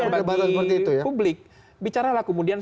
bicara lah kemudian soal soal yang substansial